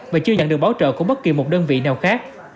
và chưa nhận được bảo trợ của bất kỳ một đơn vị nào khác